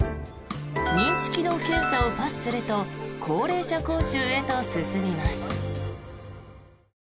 認知機能検査をパスすると高齢者講習へと進みます。